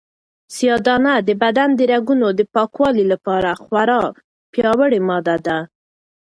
سیاه دانه د بدن د رګونو د پاکوالي لپاره خورا پیاوړې ماده ده.